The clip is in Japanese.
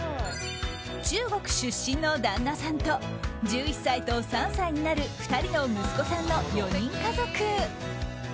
中国出身の旦那さんと１１歳と３歳になる２人の息子さんの４人家族。